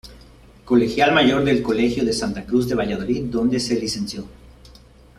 Colegial mayor del colegio de Santa Cruz de Valladolid, donde se licenció.